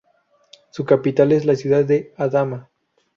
Su capital es la ciudad de Adama.